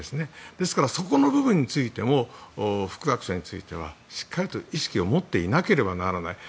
ですから、そこの部分についても副学長についてはしっかりと意識を持っていなければならない。